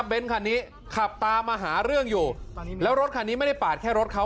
เน้นคันนี้ขับตามมาหาเรื่องอยู่แล้วรถคันนี้ไม่ได้ปาดแค่รถเขา